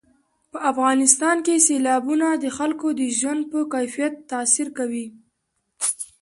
په افغانستان کې سیلابونه د خلکو د ژوند په کیفیت تاثیر کوي.